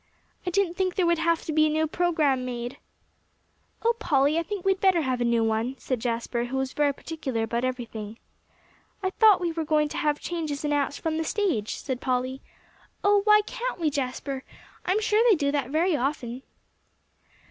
"I didn't think there would have to be a new program made." "Oh, Polly, I think we'd better have a new one," said Jasper, who was very particular about everything. "I thought we were going to have changes announced from the stage," said Polly. "Oh, why can't we, Jasper? I'm sure they do that very often."